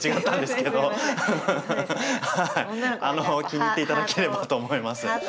気に入って頂ければと思います。